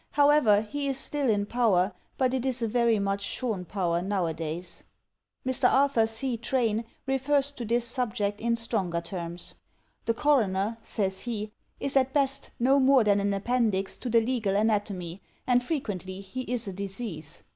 However, he is still in power, but it is a very much shorn power nowadays." Mr. Arthur C. Train refers to this subject in stronger terms. "The coroner," says he, "is at best no more than an appendix to the legal anatomy, and frequently he is a disease.